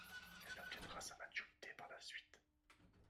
Elle obtiendra sa Maturité par la suite.